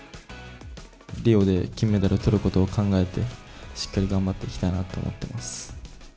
リオで金メダルをとることを考えて、しっかり頑張っていきたいなと思ってます。